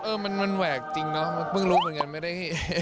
เออมันแหวกจริงเนาะเพิ่งรู้เหมือนกันไม่ได้